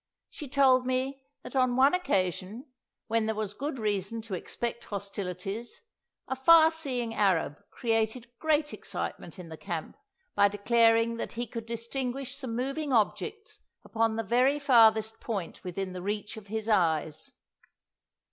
She told me that on one occasion, when there was good reason to expect hostilities, a far seeing Arab created great excitement in the camp by declaring that he could distinguish some moving objects upon the very farthest point within the reach of his eyes.